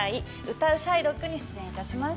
「歌うシャイロック」に出演します。